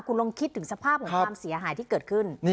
คุณลองคิดถึงสภาพของความเสียหายที่เกิดขึ้น